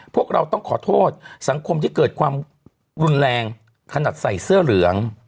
พวกเราต้องขอโทษสังคมที่เกิดความรุนแรงขนาดใส่เสื้อเหลือง